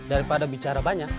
daripada bicara banyak